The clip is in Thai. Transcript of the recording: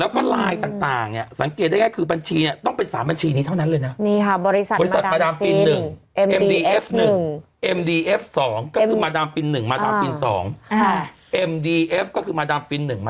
แล้วก็ไลน์ต่างเนี่ยสังเกตได้ง่ายคือบัญชีเนี่ยต้องเป็น๓บัญชีนี้เท่านั้นเลยนะ